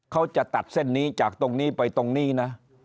เขาจะตัดเส้นนี้จากตรงนี้ไปตรงนี้นะ